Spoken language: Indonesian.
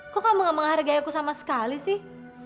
kok kamu gak menghargai aku sama sekali sih